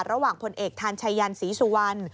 ระหว่างพลเอกทานชายันศรีสุวรรณ